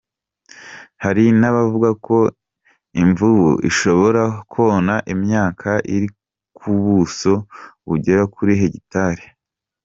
Hari n’abavuga ko imvubu ishobora kona imyaka iri ku buso bugera kuri hegitari.